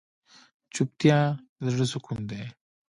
چوپتیا، د زړه سکون دی.